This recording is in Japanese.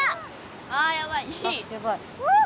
あやばい。